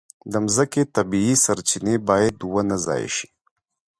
د مځکې طبیعي سرچینې باید ونه ضایع شي.